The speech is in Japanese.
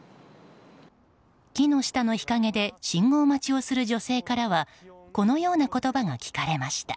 木の下の日陰で信号待ちをする女性からはこのような言葉が聞かれました。